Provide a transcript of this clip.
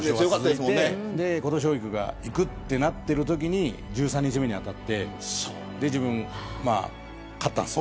琴奨菊がいくとなっているときに１３日目に当たって自分が勝ったんです。